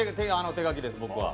手書きです、僕は。